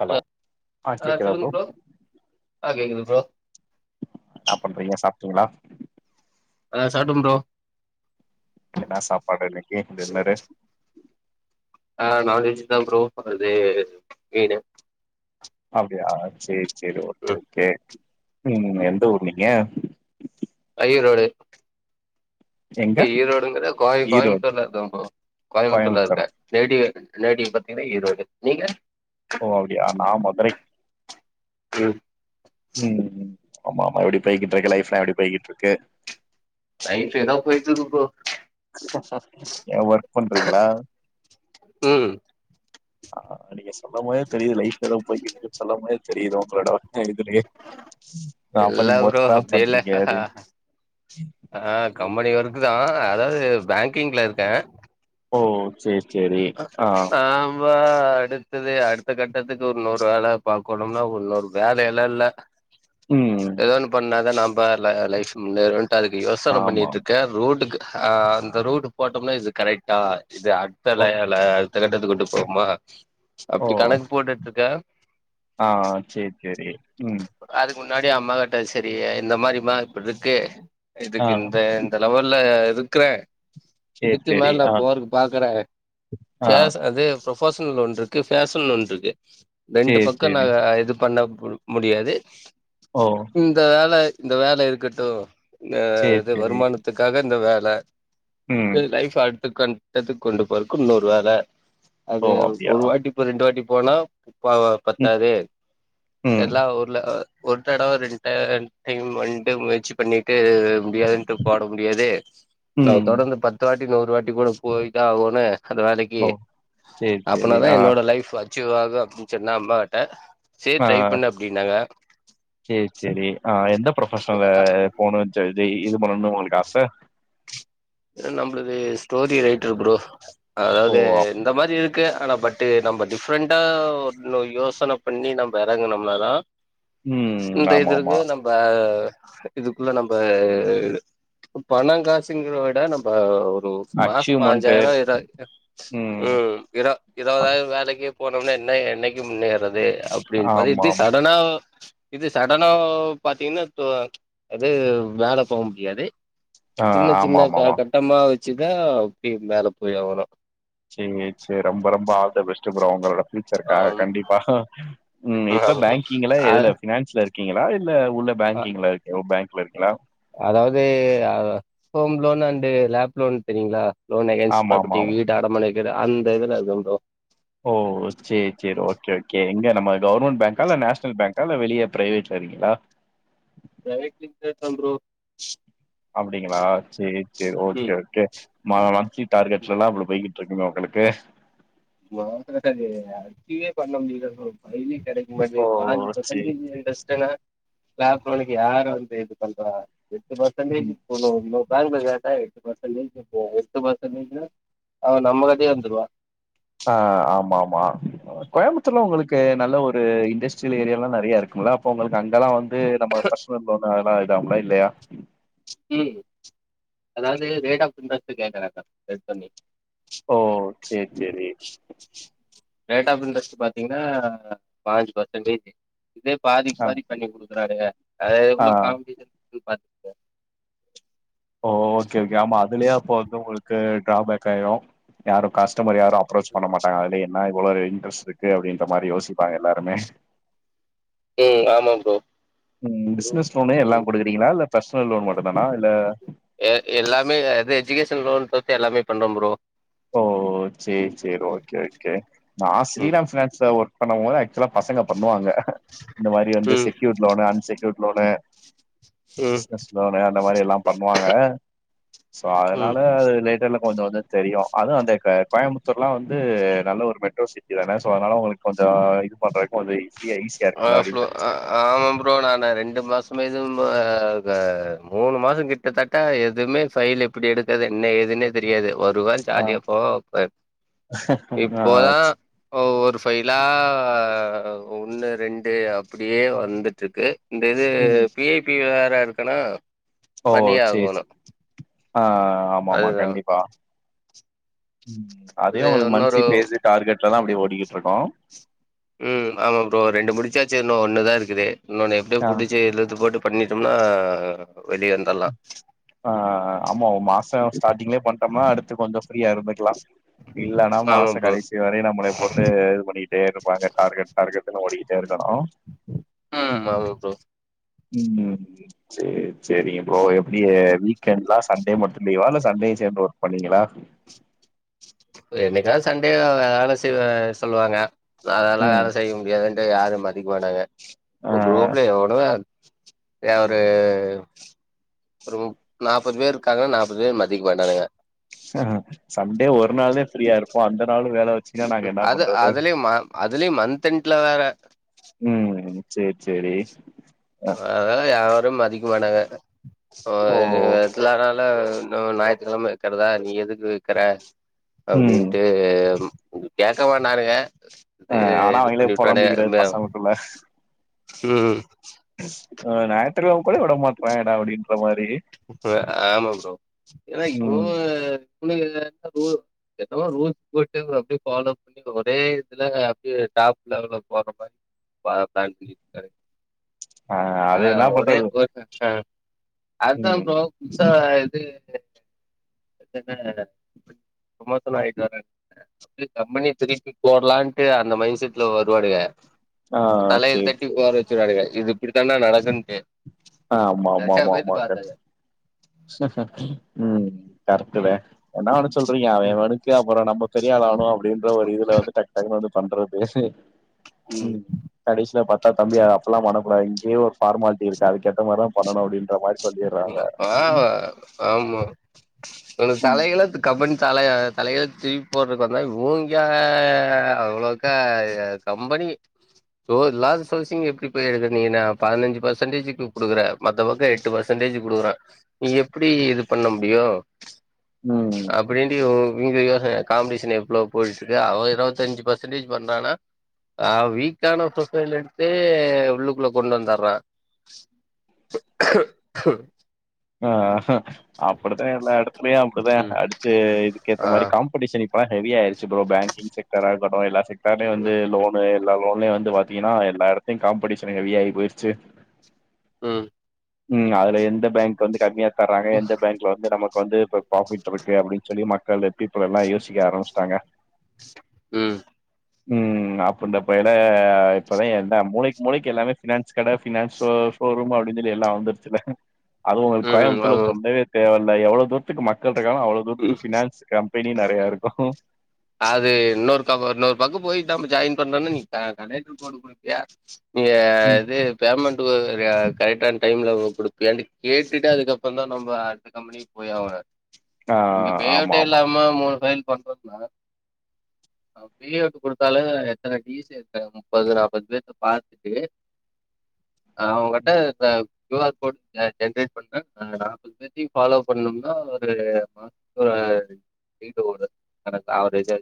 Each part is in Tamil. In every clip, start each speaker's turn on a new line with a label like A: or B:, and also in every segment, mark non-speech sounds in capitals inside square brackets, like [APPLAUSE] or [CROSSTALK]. A: ஹலோ
B: அலோ ஆ
A: கேக்குதா
B: சொல்லுங்க
A: ப்ரோ
B: ஃப்ரோ ஆ கேக்குது ஃப்ரோ
A: அப்புறோ நீங்க சாப்டீங்களா
B: ஆ சாப்டம் ஃப்ரோ
A: என்ன சாப்பாடு இன்னிக்கு டின்னரு
B: ஆ நான்வெஜுதா ஃப்ரோ அது மீனு
A: அப்டியா சேரி செரி ஓகே
B: ம்
A: ஓகே ம் எந்த ஊர் நீங்க
B: ஐரோடு
A: எங்க
B: ஈரோடு ங்கரா கோயம்
A: ஈரோடு
B: கோயம்புத்தூர்ல இருக்கேன் ப்ரோ கோயம்புத்தூர்ல இருக்க
A: கோயம்புத்தூரா
B: ரேடிவே நேட்டிவ் பாத்தீங்கன்ன ஈரோடு நீங்க
A: ஓ அப்டியா நா மதுரை
B: ம்
A: ம் ஆம்மா ஆமா எப்டி போய்கிட்டு இருக்கு லைஃப் எல்லா எப்டி போய்கிட்டு இருக்கு
B: லைஃப் ஏதோ போயிட்டு இருக்கு போ
A: சர் சர் ஏன் வொர்க் பண்றீங்களா
B: ம்
A: ஆ நீங்க சொல்ல போதே தெரியுது லைஃப் ஏதோ போயிகிட்டு இருக்கு சொல்ல முடியது சரி இது உங்களோட ஒர்க் ஐடி இதுலயே அப்ப
B: இல்ல
A: நீங்க
B: ப்ரோ
A: ஒர்க் தா
B: அப்டி இல்ல
A: பண்றீங்க
B: அ ஆ ஆ
A: அப்டின்னு
B: கம்பெனி ஒர்க் தா அதாவது பேங்கிங்ல இருக்கேன்
A: ஓ செரி செரி ஆ
B: இப்ப அடுத்தது அடுத்த கட்டத்துக்கு ஒருன்னூறு வேல பாக்கணுனா இன்னூரு வேலல்லா இல்ல
A: ம்
B: ஏதோ ஒன்னு பண்ணாதா நாம் பார் லா லைஃப் முன்னேறும் அதுக்கு யோசனை
A: ஆமா
B: பண்ணிட்டு இருக்கேன் ரோட்டுக்கு அ அந்த ரூட் போட்டோம்னா இது கரெக்டா அ இது அன்
A: ஓ
B: [UNINTELLIGIBLE] அடுத்த கட்டத்துக்கு கொண்டு போவோம்மா
A: ஓ
B: அப்டி கணக்கு போட்டுட்டு இருக்கே
A: ஆ செரி சேரி ம்
B: அதுக்கு முன்னாடி அம்மா கிட்ட சரி இந்த மாதிரிம்மா இப்டி இருக்கு
A: ஆ
B: இதுக்கு இந்த இந்த லெவல்ல இருக்கற
A: சேரி
B: இதுக்கு
A: சேரி
B: மேல
A: ஆ
B: போருக் பாக்கறே
A: ஆ
B: ச்சேஸ் அது ப்ரொபஷன் லோன் இருக்கு ஃபேஷன் லோன் இருக்கு ரெண்டு
A: சேரி
B: பக்கோ நா
A: சேரி
B: இது பண்ண குடுக்க முடியாது
A: ஓ
B: இந்த வேல இந்த வேல இருக்கட்டு ஆ
A: சேரி
B: இது
A: சேரி
B: வருமானத்துக்காக இந்த வே ல
A: ம்
B: இது லைஃப் அடு த்த கட்டத்துக்கு கொண்டு போறது க்கு இன்னொரு வேல
A: ஓ
B: அது
A: அப்டியா
B: ஒரு வாட்டி இப்ப ரெண்டு வாட்டி போனா போக
A: ம்
B: பத்தாது
A: ம்
B: எல்லா ஊர்ல ஆ ஒரு தடவ ரெண்டு டைன் டைம் வந்ட்டு முயற்சி பண்ணிட்டு முடியாதுன்ட்டு போட முடியாது நா
A: ம்
B: தொடர்ந்து பத்து வாட் டி நூறுவாட்டி கூட போய்தா ஆகோனு அந்த வேலைக்கி
A: ஓ சேரி சேரி
B: அப்பனாதா
A: ஆ
B: என்னோட லைஃப் அச் சீவாகு அப்டின்னு சொன்னே அம்மாகிட்ட சேரி
A: ஆ
B: ட்ரை பண்ணு அப்டின்னாங்க
A: சேரி சேரி ஆ எந்த ப்ரொபஷனுல போணு சொல்லி இது பண்ணனுன்னு உங்களுக்கு ஆச
B: ஆ நம்பளது ஸ்டோரி ரைட்டர் ப்ரோ
A: ஓ
B: அதாவது
A: அப்
B: இந்த மாரி இருக்கு ஆனா பட்டு நம்ப டிஃப்ரெண்டா ஒன்னு யோசன பண்ணி நம்ப எறங்குனும்னாதா
A: ம்
B: இந்த
A: ஆமா
B: இது
A: ஆமா
B: இருக்கு நம்ப இதுக்குள்ள நம்ப பணங் காசுங்கிறவி ட நம்ப இப்போ மாசோ
A: அச்சீவ்மெண்ட்டு
B: பாஞ்சாயிரோ இர அ ம் இர
A: ஆமா
B: இரபதாயிர வேலைக்கி போனோன்னா என்ன என்னைக்கி முன்னேர்றது அப்டின்னு பாத்தா இது
A: ஆமா
B: சடனா இது சடனா பாத்தீங்கனா ப்ப அது மேல போமுடியாது
A: ஆ ஆமா ஆமா
B: நெறைய
A: ஆமா
B: கட்டமா வச் சுதா அப்டியே மேல போயாகணு
A: சேரி சேரி ரொம்ப ரொம்ப ஆ ல் த பெஸ்ட் ப்ரோ உங்களோட ஃபியூச்சர்க்காக
B: ஆம்
A: கண்டிப்பா ம் இப்ப
B: ஆமா
A: பேங்கிங்ல
B: அ
A: எதுல பினான்ஸ்ல இருக் இருக்கீங்களா இல் இல்ல உள்ள
B: அ
A: பேங்கிங்ல இருக்க பேங்க்ல விக்கலா
B: அதாவது அ home loan and LAP loan தெரியிங்களா லோன் அகேன்ஸ்ட்
A: ஆமா ஆமா
B: ஃப்பாப்பர்டி
A: ஆமா
B: வீட்ட அடமானோ வெக் கிற அந்த இதுல இருந்தம் ஃப்ரோ
A: ஓ நம்மோய் கௌவர்மெண்ட் பேங்க்கா இல்ல நேஷ்னல் பேங்க் லனா வெளிய பிரைவேட்ல இருக்கீங்களா
B: [UNINTELLIGIBLE] ஃப்ரோ
A: அப்படிங்களா சேர் சேர் ஓகே
B: ம்
A: ஓகே மா மான்சி டார்கெட்லல்லா இவ்ளோ போயிட்டு இருக்குங்க உங்களுக்கு
B: மால் ரெக்கார்டிங் ஆக்டிவே பண்ண முடியல ஃப்ரோ எங்கியு கெடைக்க
A: ஓ
B: மாட்டேங்குது பாஞ்சு பர்சன்டு
A: சேரி சேரி
B: இன்வெஸ்டுனா யார் ஃப்ரோ எனக்கு யாரு வந்து இது பண்றா எட்டு
A: ம்
B: பர்சன்டேஜ் போலோ பேங்க்ல கைட்டா எட்டு பர்சன்டேஜ் ஃப்ரோ எட்டு பர்சன்டேஜ்னா அவ நம்ம கிட்டயே வந்துருவா
A: ஆ ஆமா ஆமா கோயம்புத் தூர்ல உங்களுக்கு நல்ல ஒரு இன் இன்டஸ்டிரியல் ஏரியாலா நறைய இருங்கும்முல அப்ப உங்களுக்கு அங் இதெல்லா வந்து நம்ம பர்ஸ்நல் லோன் ல்லா இதாகு இதாகும்ல இல்லையா
B: ம் அதாவது ரேட் ஆப் இன்ட்ரெஸ்ட் கேக்கறாங்க ரட் பண்ணி
A: ஓ சேரி சேரி
B: ரேட் ஆப் இன்ட்ரெஸ்ட் பாத்தீங்கன்னா பாஞ்சு பர்சன்டேஜு இதே பாதிக்
A: ஆ,
B: பாதி பண்ணி் குடுக்குறானுங்க அது
A: ஆ.
B: எவ்வளோ காம்பேஷன் பா
A: ஓ ஓகே ஓகே ஆமா அதுலயே அப்போ வந்து உங்களுக்கு டாபேக் ஆயிரு யாரு காஸ்ட் கஸ்டமர் யாரு அப்ரோச் பண்ண மாட்டாங்க அதைய னா இவ்வளவு இன்ட்ரெஸ்ட் இருக்கு அப்டின்ற மாரி யோசிப்பாங்க எல்லாருமே
B: ஆமா ஃப்ரோ
A: ம் பிஸ்னஸ் லோனு எல்லாம் குடுக்கறீங்கல்லா இல்ல பர்ஸ்னல் லோன் மட்டுந்தானா இல்ல
B: பர்ஸ்னல் லோன் தவுர்த்து எல்லாமே பண்ணுவோம் ஃப்ரோ
A: ஓ சேரி சேரி ஓகே ஓகே நா ஸ்ரீராம் பினான்ஸ்ல ஒரு இப்போ அவங்க பசங்க பண்ணுவாங்க இந்த மாதிரி வந்து
B: ம்
A: செக்யூர் லோனு அன்செக்யூர் லோட
B: ம்
A: பிஸ்னஸ் லோனு அந்த மாதிரி எல்லாம் பண்ணுவாங்க சோ
B: ம்
A: அதனால அது விடல கொஞ்சம் கொஞ்சம் தெரியும் அதுவும் அந்த கோயம்புத்தூர்லாம் வந்து நல்ல ஒரு மெட்ரோ சிட்டி தானே ஸோ அதனால உங்களுக்கு கொஞ்சம் இது பண்ணுறதுக்கு வ
B: ஆஹ ஆமா ஃப்ரோ நானு ரெண்டு மாசம் நம்ம இது மூணு மாதம் கிட்டத்தட்டா எதுவுமே ஃபைல் எப்படி எடுக்குறது என்ன ஏதுன்னே தெரியாது வருவேன்
A: ஆ,
B: ஜாலியா போவேன் இருப்பேன்
A: ஆ
B: இப்போதான் ஒவ்வொரு ஃபைலா ஒன்னுட்ட ரெண்டு அப்படியே வந்துட்டு இருக்கு இந்த இது
A: ம்.
B: பிஐபி வே இருக்கனா பண்ணியே ஆகணும்
A: ஆஹ் ஆமா ஆமா கண்டிப்பா அதே
B: இது
A: உங்களுக்கு
B: இன்னொரு
A: மாந்திளி பேஸ் டார்கேட்ல தாம் அப்டி ஓடுது இருக்கட்டும்
B: உஹம் ஆமா ப்ரோ ரெண்டு முடிச்சாச்சு இன்னும் ஒண்ணுதான் இருக்குது இன்னொன்னு எப்படியோ
A: ஆ
B: புடிச்சு இழுத்து போட்டு பண்ணிட்டோம்னா வெளியவந்தரல்லாம்
A: ஆ ஆமா மாசம் ஸ்டார்ட்டிங்களே பண்ணிட்டோம்ன்னா அடுத்து கொஞ்சம் ஃபிரீயா இருந்துக்கலாம் இல்லன்னா
B: ஆமா
A: மாச
B: ப்ரோ
A: கடைசி வரை நம்மள போட்டு இது பண்ணிட்டே இருப்பாங்க டார்கேட் டார்கேட் ஒடிட்டே இருக்கணும்
B: உம் ஆமா ப்ரோ
A: ம் சேரி சேரிங்க ப்ரோ எப்படி வீக்கேண்ட்லாம் சண்டே மட்டும் லீவா இல்ல சண்டே சேர்ந்து ஒர்க் பண்ணீங்களா
B: என்னைக்காவது சண்டே வே வேலை செய்ய சொல்லுவாங்க அதெல்லாம்
A: ம்
B: வேலை செய்ய முடியாது யாரும் மதிக்கமாட்டாங்க
A: ஆ
B: குரூப்பல எவ்ளோ ஏ ஒரு ஒரு மு நாற்பது பேர் இருக்காங்கன்னா நாற்பது பேர் மதிக்கமாட்டானுங்க
A: ஹ சண்டே ஒரு நாளே ஃப்ரீயா இருப்போம் அந்த நாளு வேல வச்சுன்னா நாங்க என்ன
B: அது
A: பண்றது
B: அதுலியு ம அதுலியு மந்த் மந்த்தெண்ட்ல வே வே
A: ம் சேர் சேரி அ
B: அதுல யாரு ரும் மதிக்கமாட்டாங்க இப்போ
A: ஓ
B: இது ரெகுலர்ரா லா ஞாயித்துக்கெழம வெக்கிறதா நீ எதுக்கு வெக்குற
A: ம்
B: அப்டின்ட்டு வரும் பேச மாட்டானுங்க இது
A: ஆ ஆனா
B: இது
A: அவங்களே பொலம்பிக்கிறது பசங்களுக்குள்ள
B: ம்ம்
A: ஞாயித்துக்கெழம கூட விட மாட்ராணுங்கடா அப்டின்ற மார்
B: இப்ப ஆமா ஃப்ரோ இவ இவோ
A: ம்
B: [UNINTELLIGIBLE] என்னவோ என்னவோ ரூல்ஸ் போட்டு அப்டியே ஃபாலோ பண்ணி ஒரே இதுல அப்டியே டாப் லெவல்ல போற மாரி பிளான் பண்ணிருக்கானுங்க
A: ஆ அதேதா பட் அதுவு
B: அதாம் ஃப்ரோ புதுசா இது வந்துட்டு [INAUDIBLE] ஃப்ரோமோசன் ஆயிட்டு வர கம்பனி திருப்பி போடலான்ட்டு அந்த மைண்ட் செட்ல வருவானுக
A: ஆ
B: இப்போ தலையில
A: சேரி
B: தட்டி
A: சேரி
B: உக்கோர வெச்சுருவானுக இது இப்டிதான்னா நடக் முடியாது
A: ஆமா ஆமா ஆமா ஆமா கரெக்ட் ம் கரெட்டுத
B: ம்
A: என்னானு சொல்றீங்க அவெ அவெவனுக்கு அப்றோ நம்போ பெரிய ஆள் ஆணு அப்டின்ற ஒரு இதுல வந்து டக் டக்குன்னு வந்து பண்றது பேசுவே ம் கடைசியா பாத் த தம்பியு அப்டில்லா பண்ணக்கூடாது இங்கயே ஒரு பார்மால்ட்டி இருக்கு அதுக்கேத்த மார்தா பண்ணனு அப்டின் அது மாரி சொல்லிர்றாங்க
B: ம் ஆ ஆமா வனுங்க
A: ம்
B: தலை எழுத்து கம்பேனி தல த தலையெயித்த திருப்பி போட்றக்கு வந்தா இவங்க அவ்ளோக்க கம்பெனி சோ இல்லாத சோஸீங் எப்டி போயி பதினஞ்ஜி பசன்டேஜ் இப்ப குடுக்குற மத்தவங்க எட்டு பசன்டேஜ் பர்சன்டேஜ் குடுக்குற நீ எப்டி இது பண்ண முடியு
A: ம்
B: அப்டின்ட்டு யோ [UNINTELLIGIBLE] காம்டிஷன் எவ்ளோ போயிட்டு இருக்கு அவ இருவத்தஞ்சு பர்சன்டேஜ் பண்ணனா ஆ வீக்கான ப்ரொபைல் எடுத்தே உள்ளுக்குல்ல கொண்டு வந்தறா
A: ஆ அப்டி தா எல்லா எடத்துலயு அப்டி தா
B: ம்
A: அடிச்சு இதுக்கு ஏத்த
B: ஆ
A: மாரி காம்டிஷன் இ இப்பலா ஹெவி ஆயிடுச்சு ப்ரோ பேங்கிங் செக்கறா இருக்கணு எல்லா செக் வேலைய வந்து
B: ம்
A: லோன்னு எல்லா லோன்லையு வந்து பாத்தீங்கன்னா எல்லா எடத்தை காம்படிஷன் ஹெவியாயி போயிருச்சு
B: உம்
A: ம் அ எந்த பேங்க் வந்து கம்மியா தராங்க எந்த பேங்க்ல வந்து நமக்கு வந்து இப்போ ப்ராஃபிட் இருக்கு அப்டின் சொல்லி மக் கள் பீப்பிள் எல்லா யோசிக்க ஆரம்பிச்சுட்டாங்க
B: ம்
A: ம் அப்ப இந்த பையல இப்ப தா எந்த மூளைக் மூளைக்கி எல்லாமே பினான்ஸ் கட பினான்ஸ் ஷோ ஷோரூம் அப்டின் இதில் எல்லா வந்துருச்சுல அது உங்குளுக்கு
B: ம்
A: கோயம்புத்தூர்ல சொல்லவே தே இல்ல எவ்ளோ தூரத்துக்கு மக்கள் இருக்காங்களோ அவ்வளோ தூரத்துக்கு
B: உம்
A: ஃபினான்ஸ் கம்பெனி நெறையா இருக்கு
B: அது இன்னொருத்தவுங்க இன்னொரு பக்கு போயி இல்ல நம்ம ஜாயின் பன்னோன்னே நீ க கனெக்ட்ரு போட்டு கொடுப்பீயா இங்க
A: ம்
B: இது பேமெண்ட் அது வேர கரெக்டான டைம்ல கொடுப்பியான்டு கேட்டுட்டு அதுக்கப்புற தா நம்ம அடுத்த கம்பெனிக்கு போய்யாக
A: ஆ
B: இங்க
A: ஆமா
B: பேவுட்டே
A: ஆமா
B: இல்லாம மூணு பன் பண்ணறதுல்ல அவ் ப்ரீயா விட்டு கொடுத்தாலே எத்தன டீசி எத்தன நுப்பது நாப்பது பேத்த பாத்துட்டு அவுங்கட்ட இப்பப் கியூஆர் கோடு ஆ ஜென்ரேட் பண்ணு ஆ நாற்பது பேத்தையும் ஃபாலோ பண்ணும்னா ஒரு [UNINTELLIGIBLE] கணக்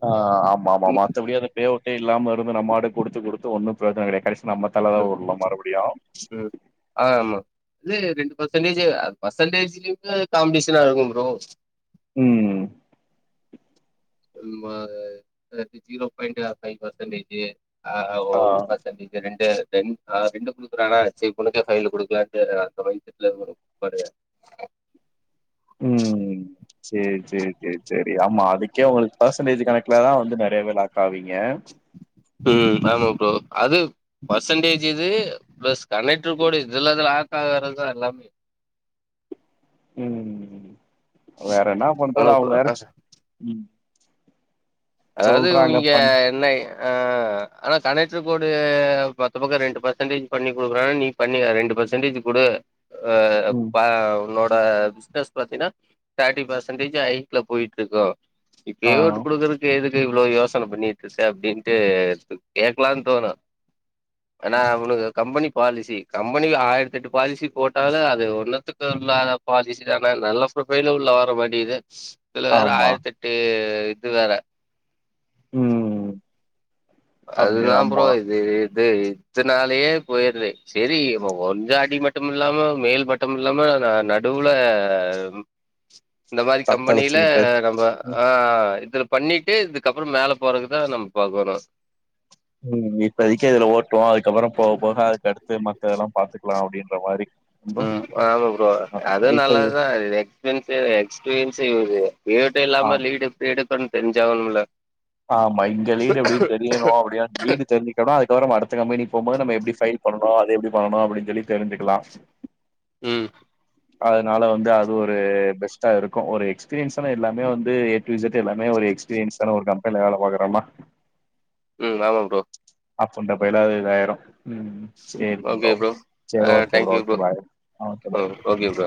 A: ஆ ஆமா ஆமமா மத்தபடி அந்த பேஅவுட்டே இல்லாம இது வந்து நம்மாடுக் கொடுத்து கொடுத்து ஒன்னும் பிரோஜன கடைக் கடைஸ் நம்ம தல தா
B: ம்
A: உருளு மறுபுடியு
B: ம் ஆமா இது ரெண்டு பேர்சன்டேஜ் ஆ பேர்சன்டேஜ்லியும் காம்டிஷன்னா இருக்கும் புரோ
A: உம்
B: நம்ம ஜீரோ எல்லாதி பாயின்ட் ஃபைவ் ஃபர்சன்டேஜி ஆ ஓ பர்சன்டேஜ் ரெண்டே டெமுக்கா ரெண்டு குடுக்குறான சேர் உனக்கே ஃபைலு குடுக்கலானு அந்த [UNINTELLIGIBLE]
A: உம் சேர் சேர் சேரிச்சேரி ஆமா அதுக்கே அவுங்களுக் பர்சன்டேஜ் கணக்குல தா வந்து நெறைய வேரு லாக் காவிங்க
B: உம் ஆமா ப்ரோ அது பர்சன்டேஜ் இது ப்ளஸ் கணெக்ட்ரு கோடு இதுல லாக் ஆகறது தா எல்லாமே
A: உம் வேற என்னா பண்றது
B: உனக்கு
A: அவங்க
B: அ
A: வேறச் உம்
B: அதாவது இவிங்க
A: பண்
B: என்ன ஆ ஆனா கணெக்டர் போடு பத்து பக்க ரெண்டு பர்சன்டேஜ் பண்ணி கொடுக்குறாங்க நீ பண்ணி ரெண்டு பர்சன்டேஜ் குடு அ
A: ம்
B: ப நொன் இப்ப பிஸ்னஸ் பாத்தின்னா தேர்டி பர்சன்டேஜ் ஹயிட்ல போயிட்டு இருக்கு
A: ஆ
B: இப்பயே உட்டு குடுக்குறக் எதுக்கு இவ்ளோ யோசனை பண்ணிட்டு இருக்க அப்டின்ட்டு கேக்கலா தோணு ஆனா அவனுக கம்பெனி பாலிசி கம்பெனிக்கு ஆயிரத்யெட்டு பாலிசி போட்டாலு அது ஒன்னுத்துக்கு இல்லாத பாலிசி தா நல்ல ஃப்ர ஃபைலு உள்ள வர மாட்டிக்குது இதுல வேற
A: ஆமா
B: ஆயிரத்தெட்டு இது வேற
A: ம்
B: அது
A: அப்டி
B: தா ப்ரோ
A: ஆமா
B: இது இது இதுனாலயே போயிருது சேரி இ ஒஞ்சாடி மட்டு இல்லாம மேல் மட்டு இல்லாம நா நடுவுல இந்த மாரி கம்பெனியில
A: தத்தளிச்சுக்கிட்டு
B: நம்ம ஆ இதுல பண்ணிட்டு இதுக்கப்ற மேல போறதுதா நம்ம பாக்கணு
A: கவன போக போக அடுத்தடுத்து மத்தெல்லா பாத்துக்கலா அப்டின்ற மாதிரி
B: ம் ஆமாப்ரோ அது
A: இப்ப இது
B: நல்லாத எக்ஸ்பெஸ் எக்ஸ்பீரியன்ஸ்ஸ வீட்டு
A: ஆ
B: இல்லாம லிடுஸ்பீடு ப்பன் தெரிஞ்சாகணும்ல
A: ஆமா இங்க வீடு எப்டினு தெரியனோ அப்டியனு வீடு தெரிஞ்க்கண அடுத்தவார அடுத்த கம்பெனி போகபோது நம்ம எப்டி சைன் பண்ணனோ அது எப்படி பண்ணனோ அப்டின் சொல்லி தெரிஞ்சுக்கலா
B: ம்
A: அதனால வந்து அது ஒரு பெஸ்ட்டா இருக்கு ஒரு எக்ஸ்பீரியன்ஸ்ன எல்லாமே வந்து ஏ டூ ஜெட் எல்லாமே ஒரு எக்ஸ்பீரியன்ஸான ஒரு கம் என்ன வேல பாக்கராமா
B: ம் ஆமா ப்ரோ
A: அப்ப இந்த ஃப்யில இதாயிரு சரி ப்ரோ சரி
B: ஆ thank you
A: okay
B: bro
A: bye okay bye
B: ம் ஓகே ப்ரோ